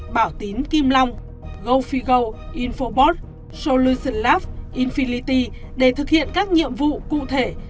bảo tín kim long gofigo infobot solution lab infinity để thực hiện các nhiệm vụ cụ thể